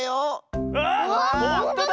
あっほんとだ！